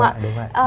đúng ạ đúng ạ